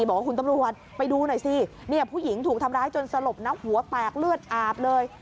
บอกว่าคุณตำรวจไปดูหน่อยสิเนี่ยผู้หญิงถูกทำร้ายจนสลบนะหัวแตกเลือดอาบเลย